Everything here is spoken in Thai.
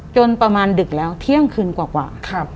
จนประมาณดึกแล้วเที่ยงคืนกว่า